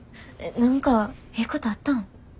何かええことあったん？